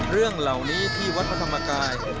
เรื่องเหล่านี้ที่วัดพระธรรมกาย